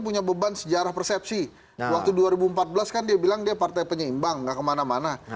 punya beban sejarah persepsi waktu dua ribu empat belas kan dia bilang dia partai penyeimbang enggak kemana mana